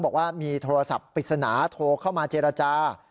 บอกว่ามีโทรศัพท์ปริศนาโทรเข้ามาเจรจา